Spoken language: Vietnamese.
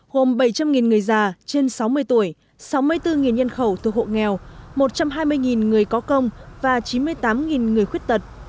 gồm bảy trăm linh người già trên sáu mươi tuổi sáu mươi bốn nhân khẩu thuộc hộ nghèo một trăm hai mươi người có công và chín mươi tám người khuyết tật